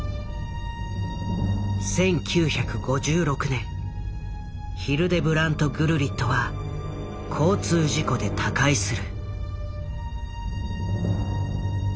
１９５６年ヒルデブラント・グルリットは交通事故で他界する。